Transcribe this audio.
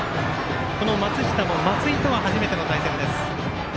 松下も、松井とは初めての対戦です。